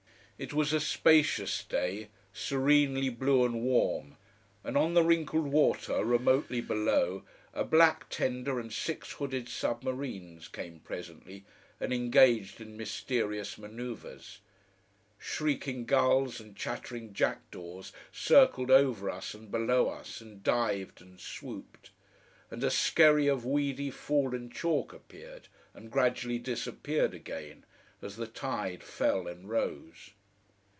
It was a spacious day, serenely blue and warm, and on the wrinkled water remotely below a black tender and six hooded submarines came presently, and engaged in mysterious manoeuvers. Shrieking gulls and chattering jackdaws circled over us and below us, and dived and swooped; and a skerry of weedy, fallen chalk appeared, and gradually disappeared again, as the tide fell and rose.